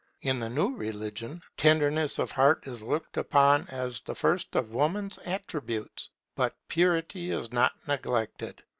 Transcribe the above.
In the new religion, tenderness of heart is looked upon as the first of Woman's attributes. But purity is not neglected.